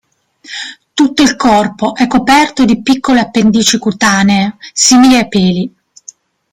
Tutto il corpo è coperto di piccole appendici cutanee simili a peli.